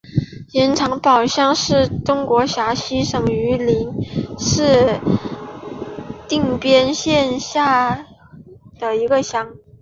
盐场堡乡是中国陕西省榆林市定边县下辖的一个乡。